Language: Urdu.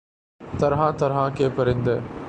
طرح طرح کے پرندے